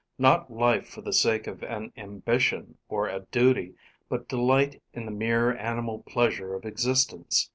Not life for the sake of an ambition or a duty, but delight in the mere animal pleasure of existence.